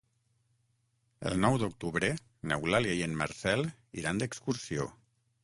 El nou d'octubre n'Eulàlia i en Marcel iran d'excursió.